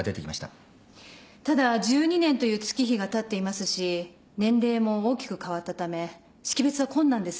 ただ１２年という月日がたっていますし年齢も大きく変わったため識別は困難です。